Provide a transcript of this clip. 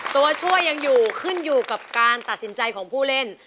ตัวช่วยยังอยู่ขึ้นอยู่กับการตัดสินใจของผู้เล่น